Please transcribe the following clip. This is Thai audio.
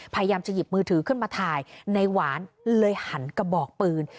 พยายามจะหยิบมือถือขึ้นมาถ่ายในหวานเลยหันกระบอกปืน